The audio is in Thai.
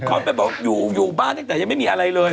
เขาไปบอกอยู่บ้านแต่ยังไม่มีอะไรเลย